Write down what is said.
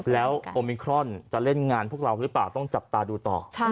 แล้วโอมิครอนจะเล่นงานพวกเราหรือเปล่าต้องจับตาดูต่อ